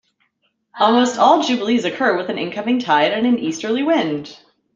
Almost all jubilees occur with an incoming tide, and an easterly wind.